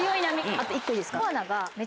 あと１個いいですか？